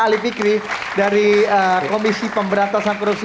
ali fikri dari komisi pemberantasan korupsi